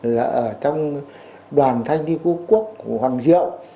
là ở trong đoàn thanh niên quốc hoàng diệu